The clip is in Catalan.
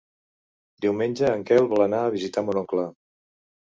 Diumenge en Quel vol anar a visitar mon oncle.